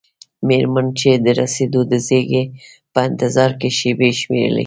میرمن چې د رسیدو د زیري په انتظار کې شیبې شمیرلې.